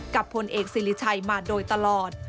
พลเอกสิริชัยมาโดยตลอด